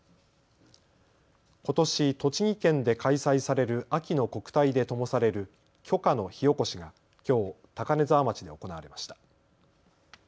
ことし栃木県で開催される秋の国体でともされる炬火の火おこしがきょう高根沢町で行われました。